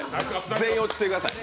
全員、落ち着いてください。